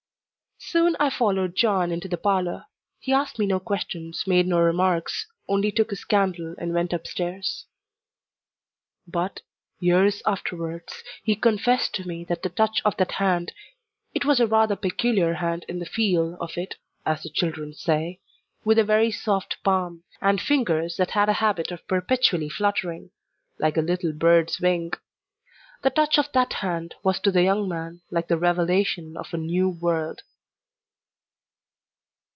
Soon I followed John into the parlour. He asked me no questions, made no remarks, only took his candle and went up stairs. But, years afterwards, he confessed to me that the touch of that hand it was a rather peculiar hand in the "feel" of it, as the children say, with a very soft palm, and fingers that had a habit of perpetually fluttering, like a little bird's wing the touch of that hand was to the young man like the revelation of a new world.